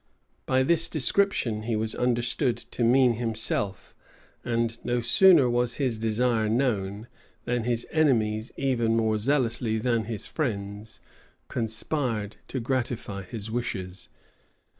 By this description, he was understood to mean himself;[] and no sooner was his desire known, than his enemies, even more zealously than his friends, conspired to gratify his wishes.